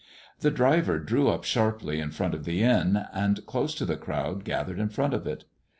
The driver drew up sharply in front of the inn, and close to the crowd gathered in front of it.